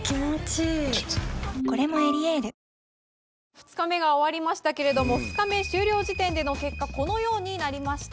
２日目が終わりましたけれども２日目終了時点での結果このようになりました。